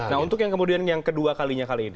nah untuk yang kemudian yang kedua kalinya kali ini